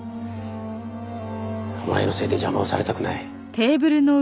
お前のせいで邪魔をされたくない。